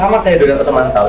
sama kayak donat atau temantau